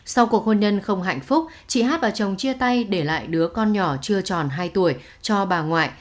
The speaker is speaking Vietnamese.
sau cuộc hôn nhân không hạnh phúc chị hát và chồng chia tay để lại đứa con nhỏ chưa tròn hai tuổi cho bà ngoại